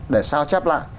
để sao chép lại